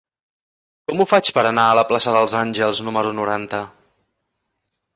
Com ho faig per anar a la plaça dels Àngels número noranta?